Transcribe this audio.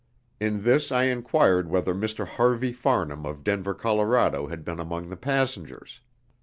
In this I enquired whether Mr. Harvey Farnham, of Denver, Colorado, had been among the passengers.